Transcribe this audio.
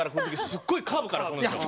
すごいカーブから来るんですよ。